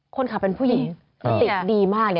คนขับเป็นผู้หญิงสติดีมาก